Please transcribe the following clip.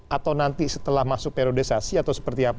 atau nanti setelah masuk periodisasi atau seperti apa